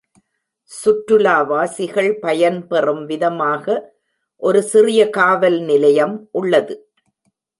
சுற்றுலாவாசிகள் பயன்பெறும்விதமாக ஒரு சிறிய காவல் நிலையம் உள்ளது.